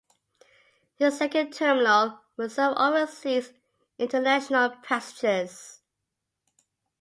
This second terminal will serve overseas and international passengers.